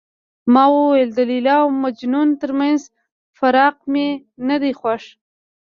ما وویل د لیلا او مجنون ترمنځ فراق مې نه دی خوښ.